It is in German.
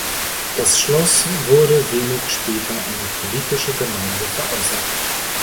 Das Schloss wurde wenig später an die politische Gemeinde veräußert.